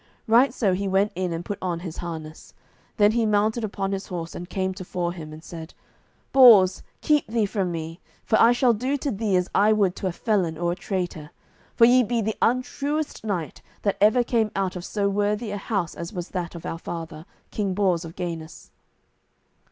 Right so he went in and put on his harness; then he mounted upon his horse and came tofore him, and said, "Bors, keep thee from me, for I shall do to thee as I would to a felon or a traitor, for ye be the untruest knight that ever came out of so worthy a house as was that of our father, King Bors of Ganis."